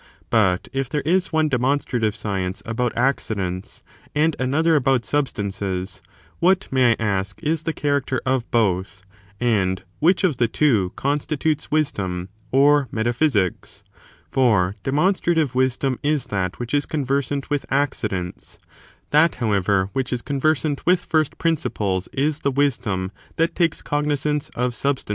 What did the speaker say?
But if there is one demonstrative ^ science about accidents, and another about substances, what, may I ask, is the character of both, and which of the two constitutes Wisdom or Metaphysics 1 for demonstrative wisdom is that which is conversant with acci dents; that, however, which is conversant with first principles is the wisdom that takes cognisance of substances. 2.